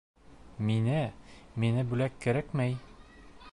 — Миңә... миңә бүләк кәрәкмәй...